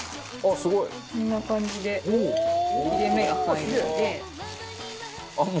こんな感じで切れ目が入るので。